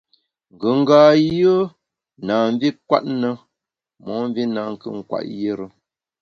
Ngùnga yùe na mvi nkwet na, momvi nankù nkwet yire.